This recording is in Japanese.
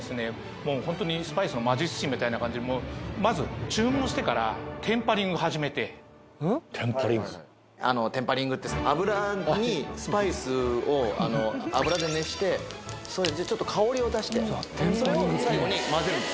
もうホントにスパイスの魔術師みたいな感じでもうまず注文してからテンパリング始めてあのテンパリングって油にスパイスをあの油で熱してそれでちょっと香りを出してそれを最後に混ぜるんです